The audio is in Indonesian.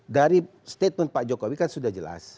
dari statement pak jokowi kan sudah jelas